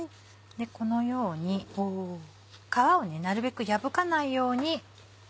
このように皮をなるべく破かないように。